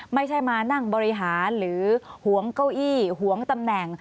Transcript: ไม่ใช่มานั่งบริหารหรือหวงเก้าอี้หวงตำแหน่ง